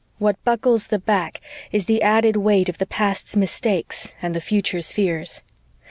What buckles the back is the added weight of the past's mistakes and the future's fears.